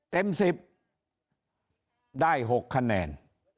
เต็ม๑๐ได้๖คะแนน